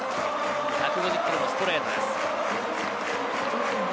１５０キロのストレートです。